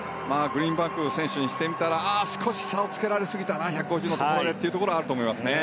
グリーンバンク選手にしてみたら少し差をつけられすぎたな１５０のところでというのはあると思いますね。